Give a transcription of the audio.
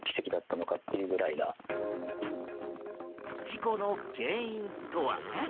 事故の原因とは。